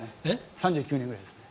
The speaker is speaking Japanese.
３９年くらいですね。